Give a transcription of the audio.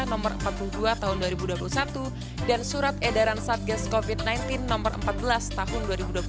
nomor empat puluh dua tahun dua ribu dua puluh satu dan surat edaran satgas covid sembilan belas nomor empat belas tahun dua ribu dua puluh satu